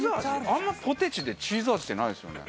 あんまポテチでチーズ味ってないですよね。